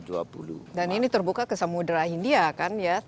dan ini terbuka ke semudera india kan ya